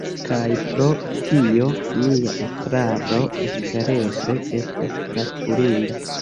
Kaj pro tio nia estraro espereble estas gratulinda.